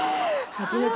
初めて？